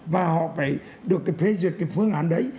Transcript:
và họ phải được phê duyệt cái phương án đấy